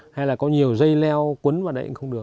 hay là có nhiều dây leo cuốn vào đấy cũng không được